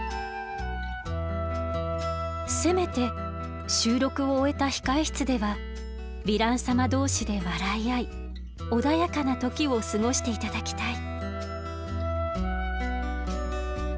せめて収録を終えた控え室ではヴィラン様同士で笑い合い穏やかな時を過ごして頂きたい。